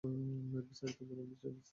বিস্তারিত বলুন, Mr Costa?